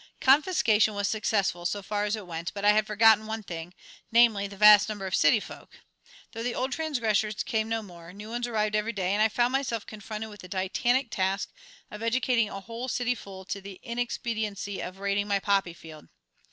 Confiscation was successful, so far as it went; but I had forgotten one thing; namely, the vast number of the city folk. Though the old transgressors came no more, new ones arrived every day, and I found myself confronted with the titanic task of educating a whole cityful to the inexpediency of raiding my poppy field.